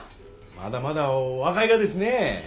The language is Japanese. まだまだ若いがですねえ。